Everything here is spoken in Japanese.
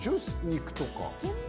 肉とか。